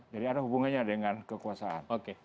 jadi ada hubungannya dengan kekuasaan